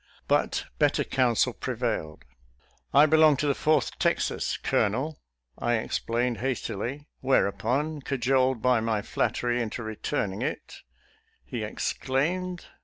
But better counsel pre vailed. " I belong to the Fourth Texas, Colo nel," I explained hastily; whereupon, cajoled by my flattery into returning it, he exclaimed, B.